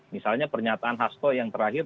misalnya pernyataan hasto yang terakhir